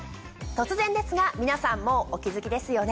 突然ですが皆さんもうお気付きですよね。